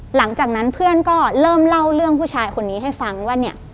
หลังจากนั้นเพื่อนก็เริ่มเล่าเรื่องผู้ชายคนนี้ให้ฟังว่าเนี่ย